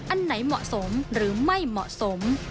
อันไหนเหมาะสมหรือไม่เหมาะสม